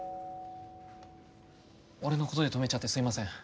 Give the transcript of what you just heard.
俺のことで止めちゃってすいません。